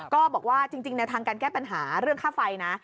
ก็บอกว่าจริงแนวทางการแก้ปัญหาเรื่องค่าไฟนะ